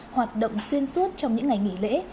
hoạt động xuyên suốt trong những ngày nghỉ lễ